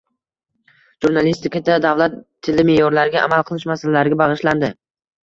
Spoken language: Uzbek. Jurnalistikada davlat tili me’yorlariga amal qilish masalalariga bag‘ishlandi